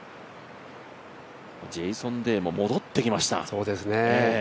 ジェイソン・デイも戻ってきました。